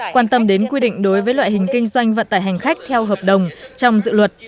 quan tâm đến quy định đối với loại hình kinh doanh vận tải hành khách theo hợp đồng trong dự luật